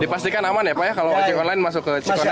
dipastikan aman ya pak ya kalau ojek online masuk ke cikono